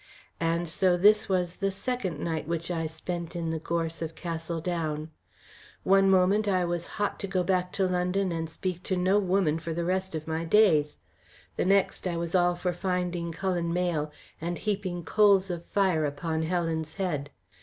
And so this was the second night which I spent in the gorse of Castle Down. One moment I was hot to go back to London and speak to no woman for the rest of my days. The next I was all for finding Cullen Mayle and heaping coals of fire upon Helen's head.